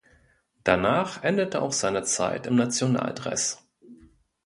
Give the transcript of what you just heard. Danach endete auch seine Zeit im Nationaldress.